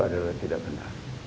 adalah tidak benar